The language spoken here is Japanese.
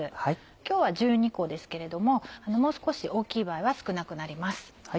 今日は１２個ですけれどももう少し大きい場合は少なくなります。